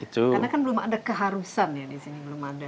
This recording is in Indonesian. karena kan belum ada keharusan ya di sini